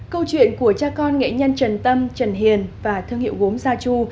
câu chuyện của cha con nghệ nhân trần tâm trần hiền và thương hiệu gốm gia chu